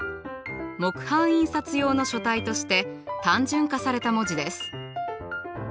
木版印刷用の書体として単純化された文字です。